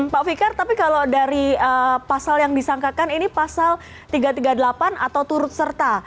pak fikar tapi kalau dari pasal yang disangkakan ini pasal tiga ratus tiga puluh delapan atau turut serta